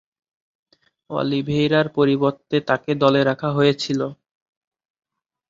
অলিভেইরা’র পরিবর্তে তাকে দলে রাখা হয়েছিল।